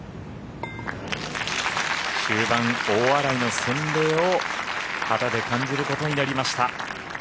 終盤、大洗の洗礼を肌で感じることになりました。